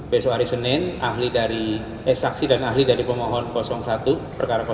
besok hari senin eh saksi dan ahli dari pemohon satu perkara